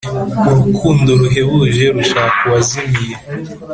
Urukundo ruhebuje rushaka uwazimiye